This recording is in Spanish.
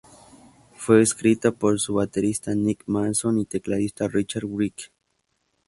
Fue escrita por su baterista Nick Mason y tecladista Richard Wright.